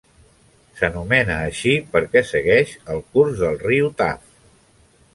S'anomena així perquè segueix el curs del riu Taff.